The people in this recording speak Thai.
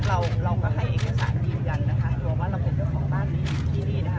เราก็ให้เอกสารนี่กันนะคะว่าว่าเราเป็นคนของบ้านนี้ที่นี้นะคะ